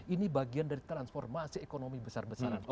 ini bagian dari transformasi ekonomi besar besaran